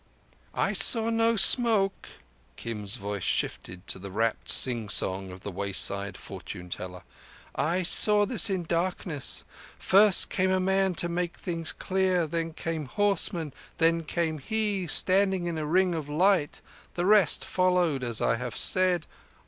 "I saw no smoke"—Kim's voice shifted to the rapt sing song of the wayside fortune teller. "I saw this in darkness. First came a man to make things clear. Then came horsemen. Then came He standing in a ring of light. The rest followed as I have said.